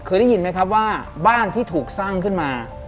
เคยได้ยินไหมครับว่าบ้านที่ถูกสร้างขึ้นมา